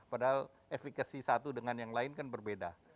padahal efekasi satu dengan yang lain kan berbeda